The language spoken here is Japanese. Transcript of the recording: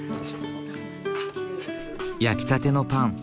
焼きたてのパン。